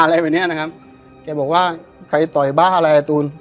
อะไรแบบเนี้ยนะครับแกบอกว่าใครต่อยบ้าอะไรอ่ะตูน